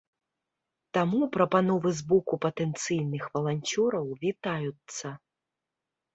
Таму прапановы з боку патэнцыйных валанцёраў вітаюцца.